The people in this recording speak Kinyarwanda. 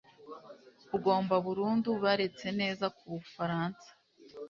Ugomba burundu baretse neza ku Bufaransa